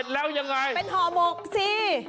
แล้วยังไงต่อ